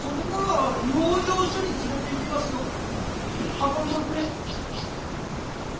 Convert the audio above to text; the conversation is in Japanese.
運んでおくれ！